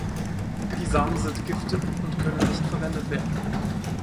Die Samen sind giftig und können nicht verwendet werden.